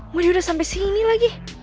munju udah sampai sini lagi